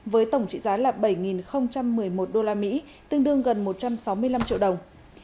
với tổng trị giá là bảy một mươi một usd tương đương gần một trăm sáu mươi năm triệu đồng